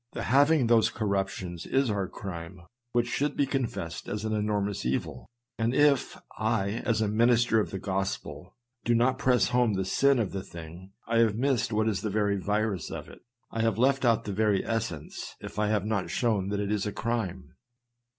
The having those corruptions is our crime which should be confessed as an enormous evil ; and if I, as a minister of the gospel, do not press home the sin of the thing, I have missed what is the very virus of it. I have left out the very essence, if I have not shown that it is a crime.